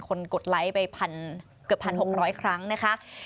กดไลค์ไปเกือบ๑๖๐๐ครั้งนะคะ